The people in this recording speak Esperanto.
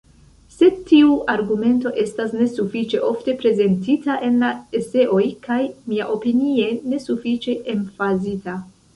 Sed tiu argumento estas nesufiĉe ofte prezentita en la eseoj, kaj, miaopinie, nesufiĉe emfazita.